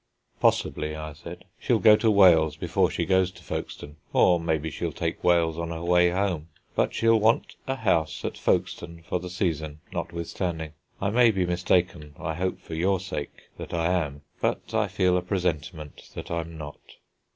"Possibly," I said, "she'll go to Wales before she goes to Folkestone, or maybe she'll take Wales on her way home; but she'll want a house at Folkestone for the season, notwithstanding. I may be mistaken I hope for your sake that I am but I feel a presentiment that I'm not."